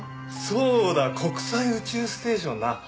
そうだ国際宇宙ステーションな。